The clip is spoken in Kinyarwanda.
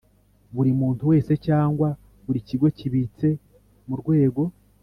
Buri muntu wese cyangwa buri kigo kibitse mu rwego